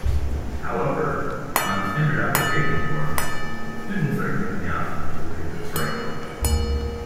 However, on standard application forms, students are given the option to waive this right.